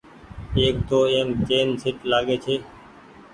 ايڪ تو ايم چيئن شيٽ لآگي ڇي۔